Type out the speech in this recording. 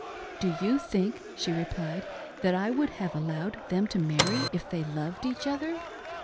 "Do you think," she replied, "that I would have allowed them to marry, if they loved each other